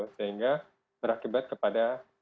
sehingga berakibat kepada